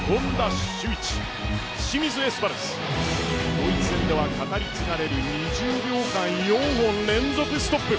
ドイツ戦では語り継がれる２０秒間、４本連続ストップ。